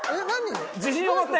自信を持って！